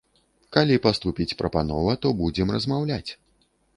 Калі паступіць прапанова, то будзем размаўляць.